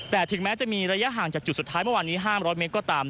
แต่ถึงแม้จะมีระยะห่างจากจุดสุดท้ายเมื่อวานนี้๕๐๐เมตรก็ตาม